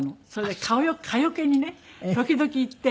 それで蚊よけにね時々行って。